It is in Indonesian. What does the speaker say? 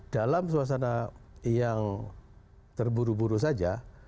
dalam suasana yang terburu buru saja